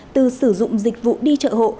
từ sử dụng dịch vụ đi chợ hộ